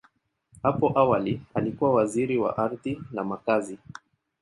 Hapo awali, alikuwa Waziri wa Ardhi na Makazi.